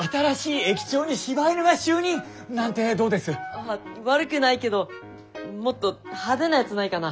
あっ悪くないけどもっと派手なやつないかな？